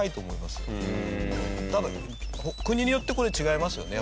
ただ国によってこれ違いますよね。